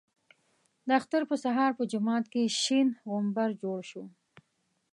د اختر په سهار په جومات کې شین غومبر جوړ شو.